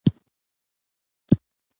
او د انګرېزانو پر ضد فعالیتونه کوي.